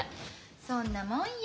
そんなもんよ。